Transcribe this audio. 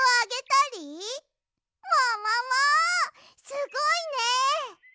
すごいね！